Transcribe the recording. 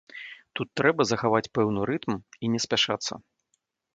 Тут трэба захаваць пэўны рытм і не спяшацца.